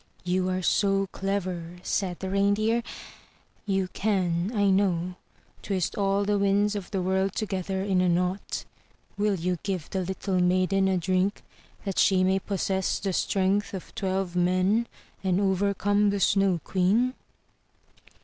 "You are so clever,'' said the Reindeer; "you can, I know, twist all the winds of the world together in a knot. Will you give the little maiden a drink that she may possess the strength of twelve men, and overcome the Snow Queen?''